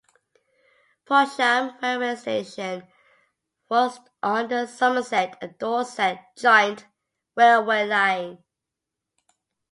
Polsham railway station was on the Somerset and Dorset Joint Railway line.